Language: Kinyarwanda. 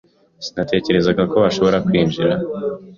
Sinatekerezaga ko twashobora kwinjira